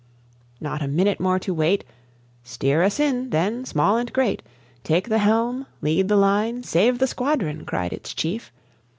Not a minute more to wait "Steer us in, then, small and great! Take the helm, lead the line, save the squadron!" cried its chief.